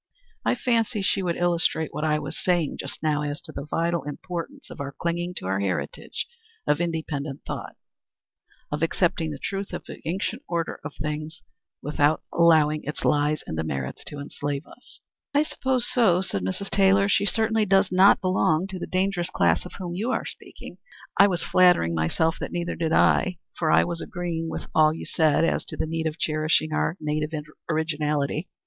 I fancy she would illustrate what I was saying just now as to the vital importance of our clinging to our heritage of independent thought of accepting the truth of the ancient order of things without allowing its lies and demerits to enslave us." "I suppose so," said Mrs. Taylor. "She certainly does not belong to the dangerous class of whom you were speaking. I was flattering myself that neither did I, for I was agreeing with all you said as to the need of cherishing our native originality.